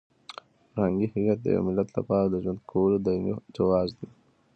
فرهنګي هویت د یو ملت لپاره د ژوند کولو دایمي جواز دی.